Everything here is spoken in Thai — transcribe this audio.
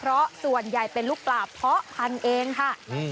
เพราะส่วนใหญ่เป็นลูกปลาเพาะพันธุ์เองค่ะ